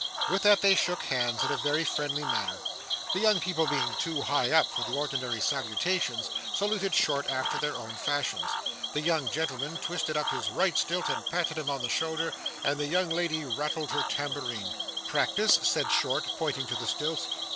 With that they shook hands in a very friendly manner. The young people being too high up for the ordinary salutations, saluted Short after their own fashion. The young gentleman twisted up his right stilt and patted him on the shoulder, and the young lady rattled her tambourine. 'Practice?' said Short, pointing to the stilts.